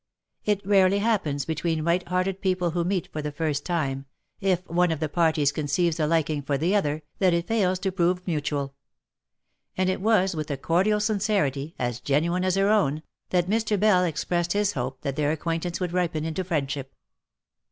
It rarely happens between right hearted people who meet for the first time, if one of the parties conceives a liking for the other, that it fails to prove mutual ; and it was with a cordial sincerity, as genuine as her own, that Mr. Bell expressed his hope that their acquaintance would ripen into friendship.